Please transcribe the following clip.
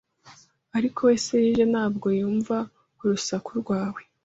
Ariko we Selge ntabwo yumva urusaku rwawe